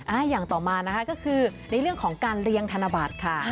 อย่างต่อมานะคะก็คือในเรื่องของการเรียงธนบัตรค่ะ